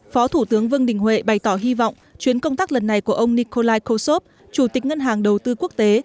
phó thủ tướng vương đình huệ bày tỏ hy vọng chuyến công tác lần này của ông nikolai kutsov chủ tịch ngân hàng đầu tư quốc tế